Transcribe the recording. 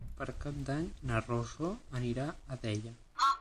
Per Cap d'Any na Rosó anirà a Deià.